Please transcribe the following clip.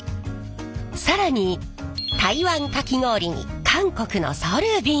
更に台湾かき氷に韓国のソルビン。